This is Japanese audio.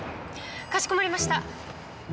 かしこまりました。